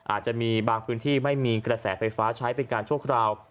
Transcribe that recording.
อาจจะมีบางพื้นที่ไม่มีกระแสไฟฟ้าใช้เป็นการชั่วคราว